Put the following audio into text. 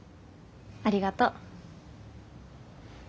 ありがとう。